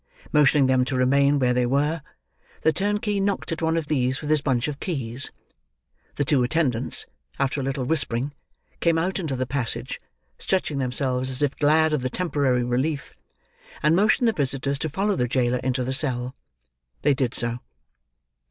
Motioning them to remain where they were, the turnkey knocked at one of these with his bunch of keys. The two attendants, after a little whispering, came out into the passage, stretching themselves as if glad of the temporary relief, and motioned the visitors to follow the jailer into the cell. They did so.